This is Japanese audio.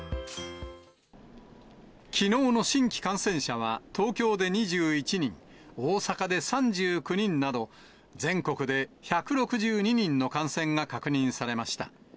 きのうの新規感染者は、東京で２１人、大阪で３９人など、全国で１６２人の感染が確認されました。